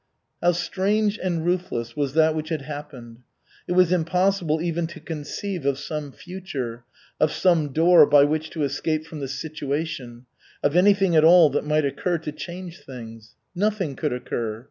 How strange and ruthless was that which had happened! It was impossible even to conceive of some future, of some door by which to escape from the situation, of anything at all that might occur to change things. Nothing could occur.